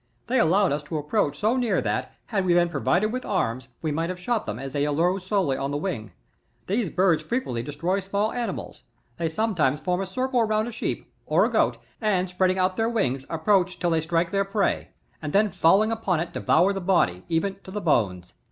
They allowed us to approach so near that, had we been provided with arms, we might have shot them as they arose slowly on the wing. These birds frequently • destroy small animals. They sometimes form a circle around a sheep, or a goat, and, spreading out their wings approach till they strike their prey, and then falling upon it, devour the body, even to the bones.